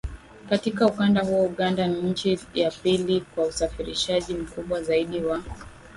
Katika ukanda huo Uganda ni nchi ya pili kwa usafirishaji mkubwa zaidi wa